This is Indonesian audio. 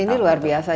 ini luar biasa